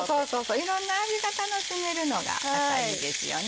いろんな味が楽しめるのがいいですよね。